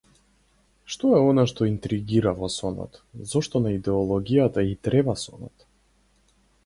Што е она што интригира во сонот, зошто на идеологијата и треба сонот?